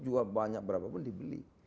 jual banyak berapa pun dibeli